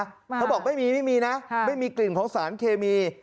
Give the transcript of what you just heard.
เขาบอกไม่มีไม่มีนะไม่มีกลิ่นของสารเคมี